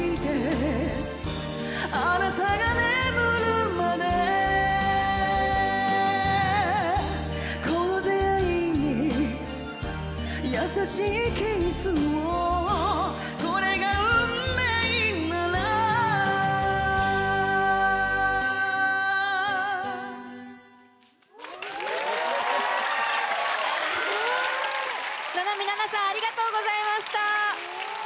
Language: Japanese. ななみななさんありがとうございました。